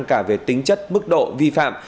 cả về tính chất mức độ vi phạm